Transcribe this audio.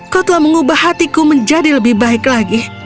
kau telah mengubah hatiku menjadi lebih baik lagi